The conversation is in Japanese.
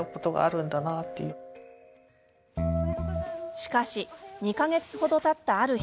しかし、２か月程たったある日。